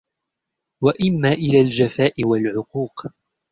وَإِمَّا إلَى الْجَفَاءِ وَالْعُقُوقِ